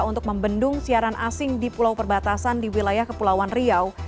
untuk membendung siaran asing di pulau perbatasan di wilayah kepulauan riau